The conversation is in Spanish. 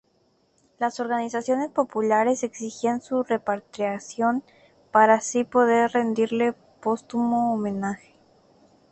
Las organizaciones populares exigían su repatriación para así poder rendirle póstumo homenaje.